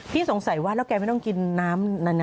สงสัยว่าแล้วแกไม่ต้องกินน้ำนาน